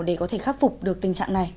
để có thể khắc phục được tình trạng này